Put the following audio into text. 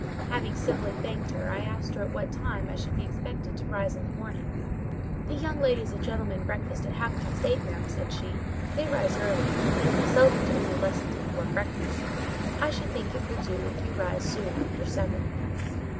Having civilly thanked her, I asked at what time I should be expected to rise in the morning. "The young ladies and gentlemen breakfast at half past eight, ma'am," said she; "they rise early; but, as they seldom do any lessons before breakfast, I should think it will do if you rise soon after seven."